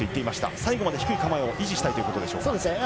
最後まで低い構えを維持したいということでしょうか。